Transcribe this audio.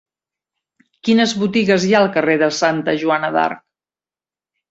Quines botigues hi ha al carrer de Santa Joana d'Arc?